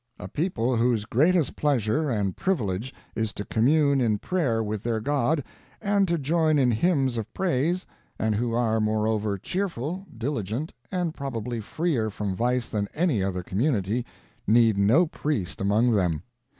A people whose greatest pleasure and privilege is to commune in prayer with their God, and to join in hymns of praise, and who are, moreover, cheerful, diligent, and probably freer from vice than any other community, need no priest among them.